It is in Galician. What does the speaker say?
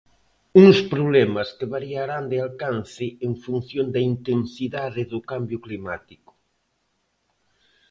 Uns problemas que variarán de alcance en función da intensidade do cambio climático.